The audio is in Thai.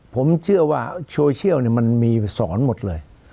ผมเชื่อว่าโซเชียลมันมีสอนหมดเลย